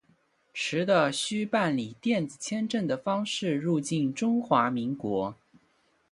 持的需办理电子签证的方式入境中华民国。